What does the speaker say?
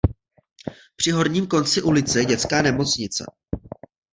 Při horním konci ulice je Dětská nemocnice.